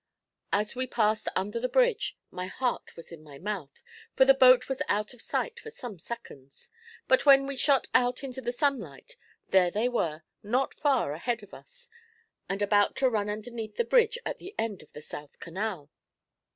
As we passed under the bridge my heart was in my mouth, for the boat was out of sight for some moments, but when we shot out into the sunlight there they were, not so far ahead of us, and about to run underneath the bridge at the end of the south canal.